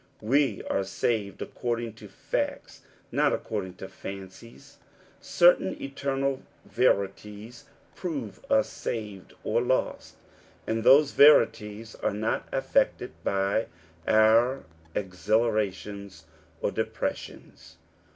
We are saved according tcy^ facts, not according to fancies. Certain etema verities prove us saved or lost ; and those verities are not affected by our exhilarations or depressions.